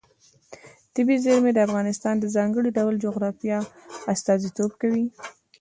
طبیعي زیرمې د افغانستان د ځانګړي ډول جغرافیه استازیتوب کوي.